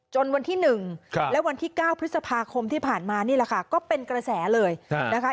วันที่๑และวันที่๙พฤษภาคมที่ผ่านมานี่แหละค่ะก็เป็นกระแสเลยนะคะ